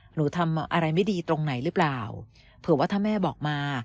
หนูทำอะไรไม่ดีตรงไหนหรือเปล่าเผื่อว่าถ้าแม่บอกมา